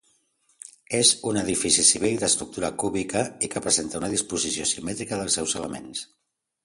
És un edifici civil d'estructura cúbica i que presenta una disposició simètrica dels seus elements.